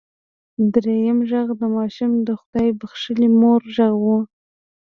دريم غږ د ماشوم د خدای بښلې مور غږ و.